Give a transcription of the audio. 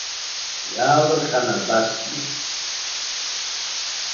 Иаалырҟьан абасгьы.